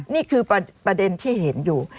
นี่คือประเด็นที่เห็นอยู่